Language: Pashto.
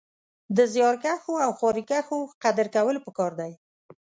د زيارکښو او خواريکښو قدر کول پکار دی